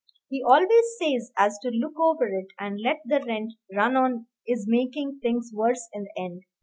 He always says as to look over it and let the rent run on is making things worse in the end.